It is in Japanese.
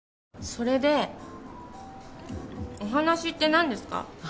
それでお話って何ですか？